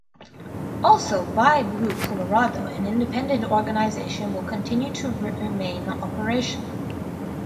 Also, BuyBlue Colorado, an independent organization, will continue to remain operational.